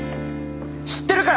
知ってるから！